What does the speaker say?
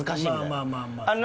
まあまあまあまあ。